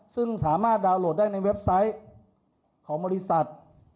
ซึ่งสามารถดาวน์โหลดได้ในเว็บไซต์ของบริษัท